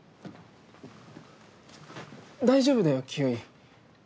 大丈夫だよ清居。